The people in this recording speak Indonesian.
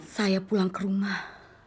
saya pulang ke rumah